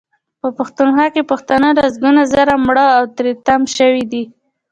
په پښتونخوا کې پښتانه لسګونه زره مړه او تري تم شوي دي.